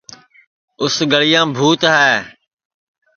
اُس گݪیام بھوت ہے